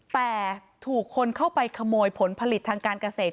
แต่ถูกคนเข้าไปขโมยผลผลิตทางการเกษตร